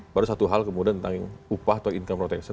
baru satu hal kemudian tentang upah atau income protection